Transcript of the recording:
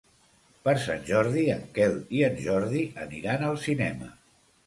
Per Sant Jordi en Quel i en Jordi aniran al cinema.